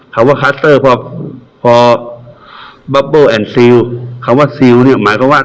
คำว่าคัสเตอร์พอพอคำว่าคำว่าหมายความความความความ